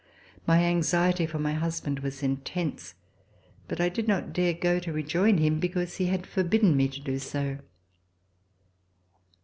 My anxiety for my husband was intense, but I did not dare to go to rejoin him because he had forbidden me to do so.